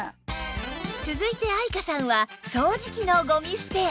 続いて愛華さんは掃除機のゴミ捨て